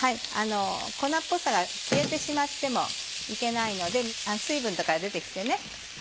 粉っぽさが消えてしまってもいけないので水分とかが出て来てね。